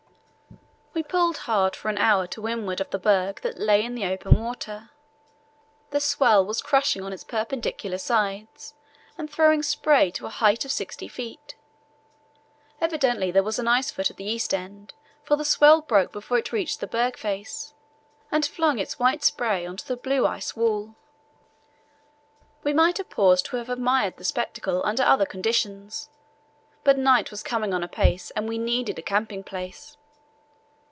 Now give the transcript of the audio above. We pulled hard for an hour to windward of the berg that lay in the open water. The swell was crashing on its perpendicular sides and throwing spray to a height of sixty feet. Evidently there was an ice foot at the east end, for the swell broke before it reached the berg face and flung its white spray on to the blue ice wall. We might have paused to have admired the spectacle under other conditions; but night was coming on apace, and we needed a camping place.